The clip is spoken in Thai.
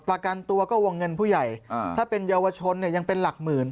ประกันตัวก็วงเงินผู้ใหญ่ถ้าเป็นเยาวชนเนี่ยยังเป็นหลักหมื่น